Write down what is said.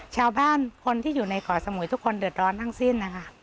ชาวบ้านคนที่อยู่ในเกาะสมุยทุกคนเดือดร้อนทั้งสิ้นนะคะ